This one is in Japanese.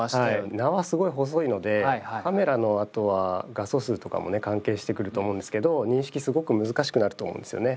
縄すごい細いのでカメラのあとは画素数とかもね関係してくると思うんですけど認識すごく難しくなると思うんですよね。